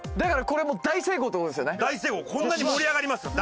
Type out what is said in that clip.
こんなに盛り上がりました。